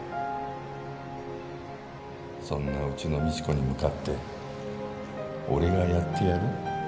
そんなうちの未知子に向かって俺がやってやる？